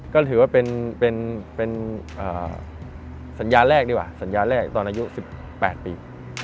ก็ถือว่าเป็นสัญญาแรกดีกว่าสัญญาแรกตอนอายุ๑๘ปี